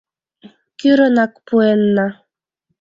Кӱрынак пуэнна.